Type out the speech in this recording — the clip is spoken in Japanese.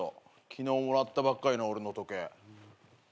昨日もらったばっかりの俺の時計。